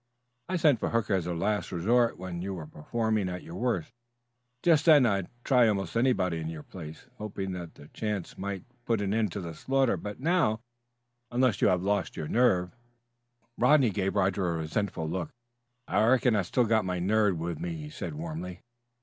"I sent for Hooker as a last resort when you were performing at your worst. Just then I'd tried almost anybody in your place, hoping that the change might put an end to the slaughter; but now, unless you have lost your nerve " Rodney gave Roger a resentful look. "I reckon I've still got my nerve with me," he said warmly.